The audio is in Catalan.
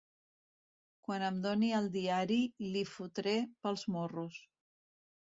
Quan em doni el diari l'hi fotré pels morros.